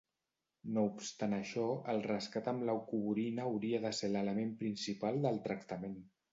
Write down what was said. No obstant això, el rescat amb leucovorina hauria de ser l'element principal del tractament.